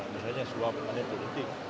misalnya sebuah pengundangan politik